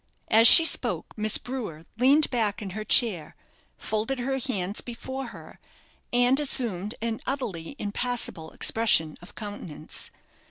As she spoke, Miss Brewer leaned back in her chair, folded her hands before her, and assumed an utterly impassible expression of countenance.